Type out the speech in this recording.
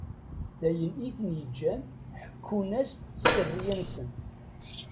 D ayen iten-ittaǧǧan ḥekkun-as-d sseriya-nsen.